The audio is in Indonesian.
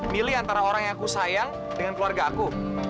milih antara orang yang aku sayang dengan keluarga aku